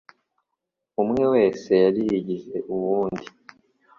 Umwe wese yari yizigiye uwundi